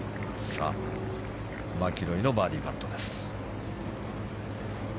さあ、マキロイのバーディーパットです。